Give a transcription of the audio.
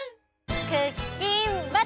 クッキンバトル！